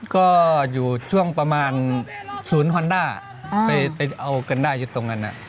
ก็อยู่ช่วงประมาณศูนย์ฮอนด้าไปเอากันได้อยู่ตรงนั้น